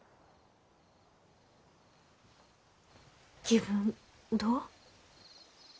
気分どう？